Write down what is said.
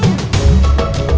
dot dot dot buka dot buka dot